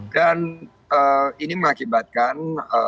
dan ini mengakibatkan